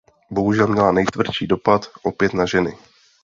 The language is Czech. Bohužel měla nejtvrdší dopad opět na ženy.